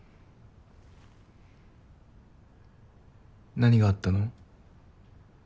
何があったの？